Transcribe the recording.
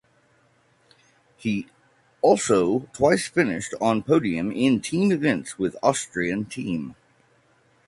He also twice finished on podium in team events with Austrian team.